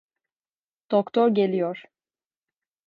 Doktor geliyor.